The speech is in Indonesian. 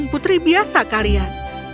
bukan putri biasa kalian